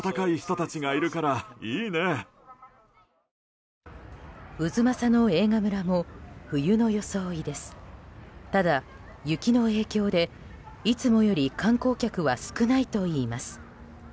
ただ、雪の影響でいつもより観光客は少ないといいます。